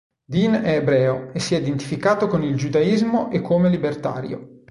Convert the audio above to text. Deen è ebreo e si è identificato con il giudaismo e come libertario.